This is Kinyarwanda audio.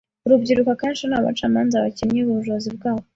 Urubyiruko akenshi ni abacamanza bakennye kubushobozi bwabo.